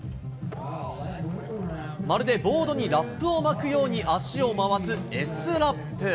まるでボードにラップを巻くように足を回す、Ｓラップ。